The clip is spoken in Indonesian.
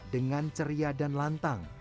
dengan ceria dan lantang